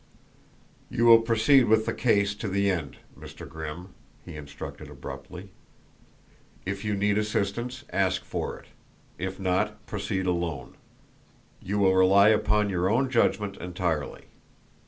"You will proceed with the case to the end, Mr. Grimm," he instructed abruptly. "If you need assistance ask for it; if not, proceed alone. You will rely upon your own judgment entirely.